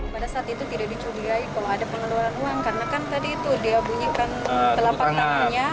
pada saat itu tidak dicurigai kalau ada pengeluaran uang karena kan tadi itu dia bunyikan telapak tangannya